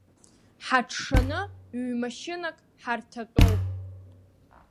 Ҳаҽшаны ҩ-машьынак ҳарҭатәоуп.